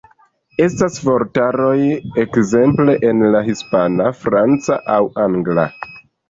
Estas vortaroj ekzemple en la Hispana, Franca aŭ Angla.